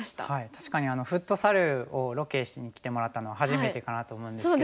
確かにフットサルをロケしに来てもらったのは初めてかなと思うんですけど。